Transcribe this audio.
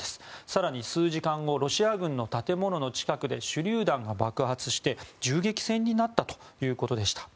更に、数時間後ロシア軍の建物の近くで手りゅう弾が爆発して銃撃戦になったということでした。